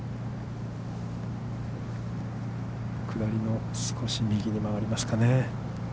下りの少し右に曲がりますかね。